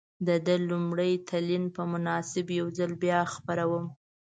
د ده د لومړي تلین په مناسبت یو ځل بیا خپروم.